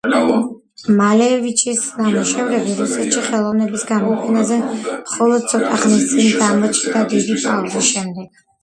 მალევიჩის ნამუშევრები რუსეთში ხელოვნების გამოფენებზე მხოლოდ ცოტა ხნის წინ გამოჩნდა დიდი პაუზის შემდეგ.